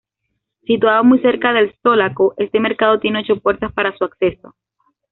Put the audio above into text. Situado muy cerca del Zócalo este mercado tiene ocho puertas para su acceso.